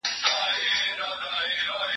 زه به شګه پاکه کړې وي